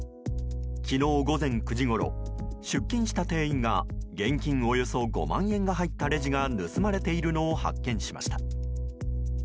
昨日午前９時ごろ出勤した店員が現金およそ５万円が入ったレジが盗まれているのを発見しました。